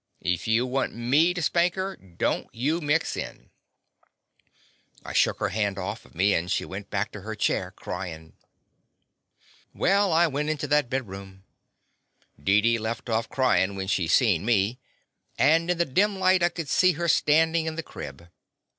If you want me to spank her, don't you mix in." I shook OT The Confessions of a Daddy her hand off of me, and she went back to her chair cryin\ Well, I went into that bedroom. Deedee left off cryin' when she seen me, and in the dim light I could see her standin' in the crib.